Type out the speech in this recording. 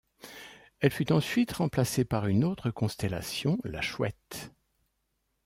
Elle fut ensuite remplacée par une autre constellation, la Chouette.